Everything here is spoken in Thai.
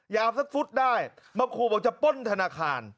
ยาวสักฟุตได้บางครูบอกจะปล้นธนาคาร